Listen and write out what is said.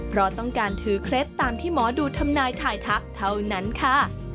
เพราะต้องการถือเคล็ดตามที่หมอดูทำนายถ่ายทักเท่านั้นค่ะ